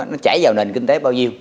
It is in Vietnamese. nó chảy vào nền kinh tế bao nhiêu